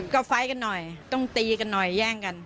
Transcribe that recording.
ก็ไฟล์กันหน่อยต้องตีกันหน่อยแย่งกัน